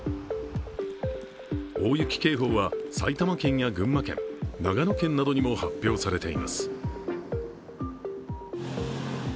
大雪警報は埼玉県や群馬県、長野県などにも発表されています。